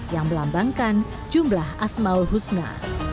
yang melambangkan jumlah asmaul husna